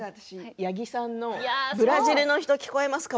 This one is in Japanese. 八木さんのブラジルの人聞こえますか？